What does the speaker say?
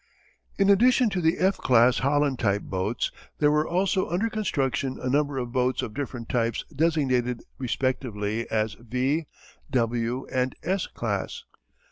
In addition to the "F" class Holland type boats, there were also under construction a number of boats of different types designated respectively as "V," "W," and "S" class.